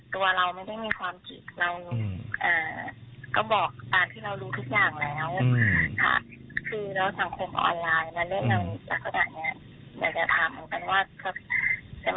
ตัวเราไม่ได้มีความสงคราม